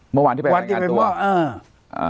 เมื่อวานที่ไปรายงานตัว